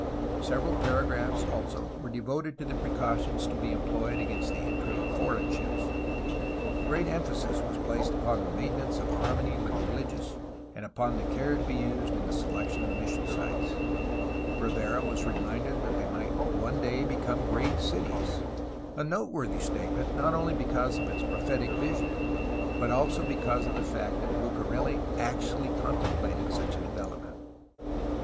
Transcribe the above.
Several paragraphs, also, were devoted to the precautions to be employed against the entry of foreign ships. Great emphasis was placed upon maintenance of harmony with the religious and upon the care to be used in the selection of mission sites; Rivera was reminded that they might one day become great cities, — a noteworthy statement not only be cause of its prophetic vision but also because of the fact that Bucareli actually contemplated such a development.